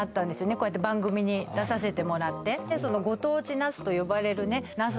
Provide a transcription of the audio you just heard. こうやって番組に出させてもらってそのご当地ナスと呼ばれるねナスもね